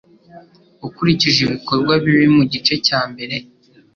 ukurikije ibikorwa bibi mugice cya mbere